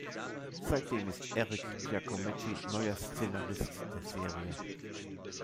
Seitdem ist Éric Giacometti neuer Szenarist der Serie.